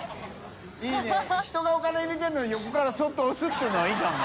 いい人がお金入れてるのそっと押すっていうのはいいかもな。